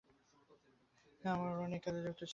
তিনি আমরন এই কাজে নিযুক্ত ছিলেন ।